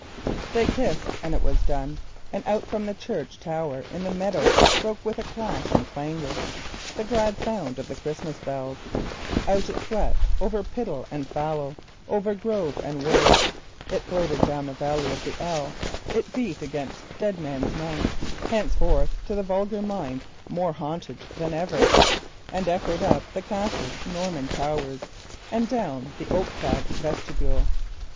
They kissed, and it was done. Out from the church tower in the meadows broke with clash and clangour a glad sound of Christmas bells. Out it swept over layer, pitle and fallow, over river, olland, grove and wood. It floated down the valley of the Ell, it beat against Dead Man's Mount (henceforth to the vulgar mind more haunted than ever), it echoed up the Castle's Norman towers and down the oak clad vestibule.